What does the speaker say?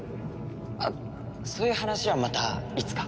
あっそういう話はまたいつか。